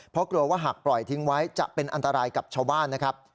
เพราะกลัวว่าหากปล่อยทิ้งไว้จะเป็นอันตรายกับชาวบ้านนะครับ